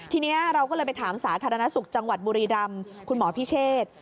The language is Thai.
ทีนี้เราก็เลยไปถามสาธารณสุขจังหวัดบุรีรำคุณหมอพิเชษ